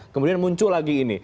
kemudian muncul lagi ini